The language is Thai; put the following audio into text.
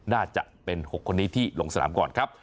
น่าจะเป็น๖คนนี้ที่ลงสนามก่อนครับ